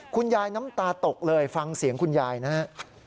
น้ำตาตกเลยฟังเสียงคุณยายนะฮะ